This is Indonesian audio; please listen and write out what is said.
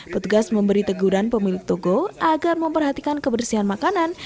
petugas memberi teguran pemilik toko agar memperhatikan kebersihan makanan